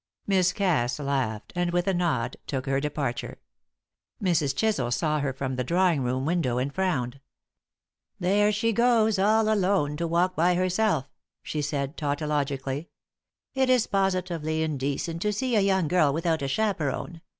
Miss Cass laughed, and, with a nod, took her departure. Mrs. Chisel saw her from the drawing room window and frowned. "There she goes all alone, to walk by herself," she said, tautologically. "It is positively indecent to see a young girl without a chaperon.